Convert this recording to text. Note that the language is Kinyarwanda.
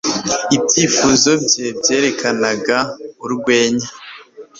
Ibyifuzo bye byerekanaga urwenya